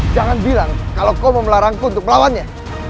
jangan bilang kalau kau mau melarangku untuk melawannya